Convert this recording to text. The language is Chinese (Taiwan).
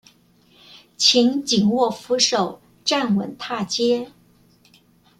請緊握扶手站穩踏階